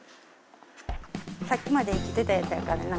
さっきまで生きてたやつやからな。